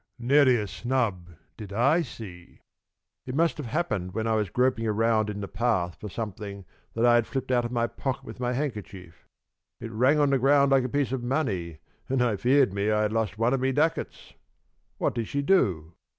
"Nary a snub did I see. It must have happened when I was groping around in the path for something that I had flipped out of my pocket with my handkerchief. It rang on the ground like a piece of money, and I feared me I had lost one of me ducats. What did she do?"